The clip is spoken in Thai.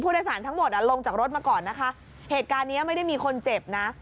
โดยสารทั้งหมดอ่ะลงจากรถมาก่อนนะคะเหตุการณ์เนี้ยไม่ได้มีคนเจ็บนะ